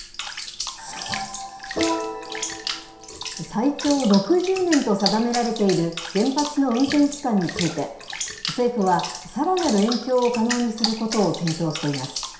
最長６０年と定められている原発の運転期間について、政府はさらなる延長を可能にすることを検討しています。